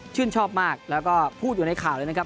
ชอบมากแล้วก็พูดอยู่ในข่าวเลยนะครับ